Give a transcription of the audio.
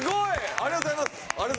ありがとうございます。